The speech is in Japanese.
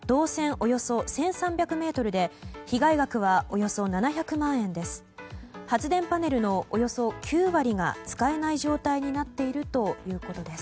およそ１３００ｍで被害額はおよそ７００万円です。